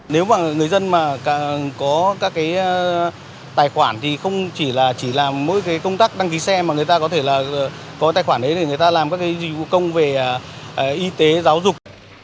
nếu mà người dân mà có các cái tài khoản thì không chỉ là chỉ làm mỗi công tác đăng ký xe mà người ta có thể là có tài khoản đấy để người ta làm các cái dịch vụ công về y tế giáo dục